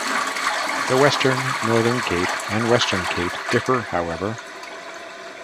The western Northern Cape and Western Cape differ however.